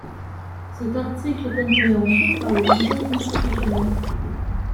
Cet article est annulé ensuite par le Conseil constitutionnel.